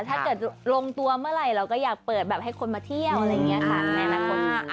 ถ้าเกิดลงตัวเมื่อไหร่เราก็อยากเปิดแบบให้คนมาเที่ยวอะไรอย่างนี้ค่ะในอนาคต